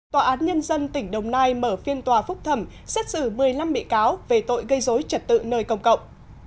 tòa án nhân dân tỉnh đồng nai mở phiên tòa phúc thẩm xét xử một mươi năm bị cáo về tội gây dối trật tự nơi công cộng